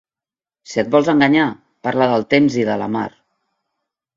Si et vols enganyar, parla del temps i de la mar.